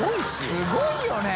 すごいよね！